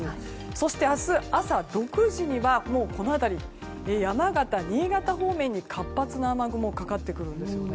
そして、明日朝６時には山形、新潟方面に活発な雨雲がかかってくるんですよね。